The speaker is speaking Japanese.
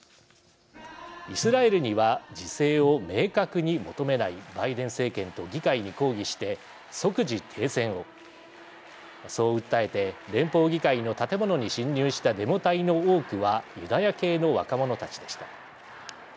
イスラエルには自制を明確に求めないバイデン政権と議会に抗議して即時停戦をそう訴えて連邦議会の建物に侵入したデモ隊の多くはユダヤ系の若者たちでした。